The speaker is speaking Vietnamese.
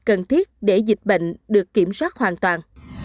cần thiết để dịch bệnh được kiểm soát hoàn toàn